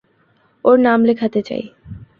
ওর নাম লেখাতে চাই।